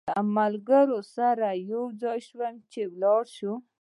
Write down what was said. له ملګرو سره یو ځای شوم چې ولاړ شو.